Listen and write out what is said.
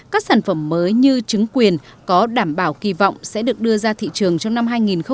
các sản phẩm mới như chứng quyền có đảm bảo kỳ vọng sẽ được đưa ra thị trường trong năm hai nghìn hai mươi